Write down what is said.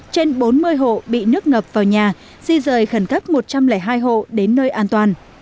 trên bốn mươi hộ bị nước ngập vào nhà di rời khẩn cấp một trăm linh hai hộ đến nơi an toàn